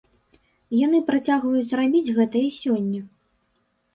Яны працягваюць рабіць гэта і сёння.